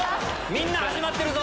みんな始まってるぞ！